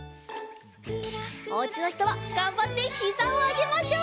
おうちのひとはがんばってひざをあげましょう！